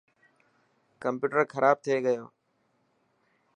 ڪمپيوٽر کراب ٿي گيو.